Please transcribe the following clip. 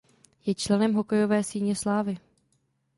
Je členem hokejové síně slávy.